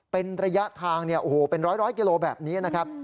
เป็นระยะทางเป็นร้อยกิโลแบบนี้นะครับ